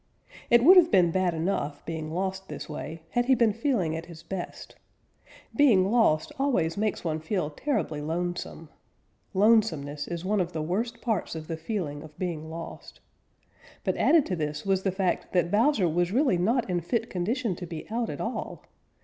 It would have been bad enough, being lost this way, had he been feeling at his best. Being lost always makes one feel terribly lonesome. Lonesomeness is one of the worst parts of the feeling of being lost. But added to this was the fact that Bowser was really not in fit condition to be out at all.